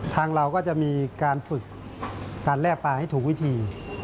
ทางเราก็จะมีการฝึกการแลกปลาให้ถูกวิธี